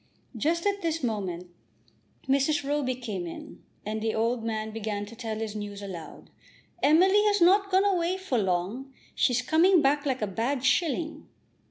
Just at this moment Mrs. Roby came in, and the old man began to tell his news aloud. "Emily has not gone away for long. She's coming back like a bad shilling."